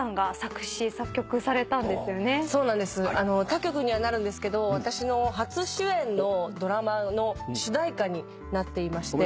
他局にはなるんですけど私の初主演のドラマの主題歌になっていまして。